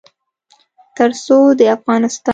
تر څو د افغانستان